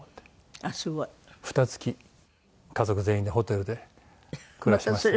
ふた月家族全員でホテルで暮らしましたね。